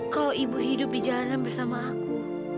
kalau ibu hidup di jalanan bersama aku